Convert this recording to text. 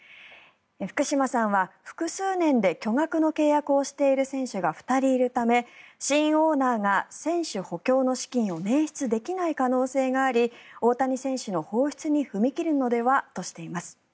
福島さんは、複数年で巨額の契約をしている選手が２人いるため新オーナーが選手補強の資金を捻出できない可能性があり大谷選手の放出に踏み切るのではとしています。